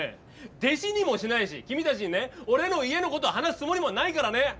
弟子にもしないし君たちにね俺の家のことを話すつもりもないからね！